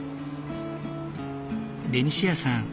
ベニシアさん